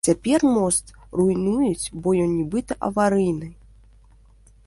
Цяпер мост руйнуюць, бо ён нібыта аварыйны.